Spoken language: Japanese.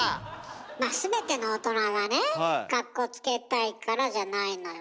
まあ全ての大人がねかっこつけたいからじゃないのよ。